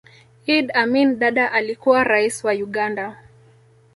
idd amin dada alikuwa raisi wa uganda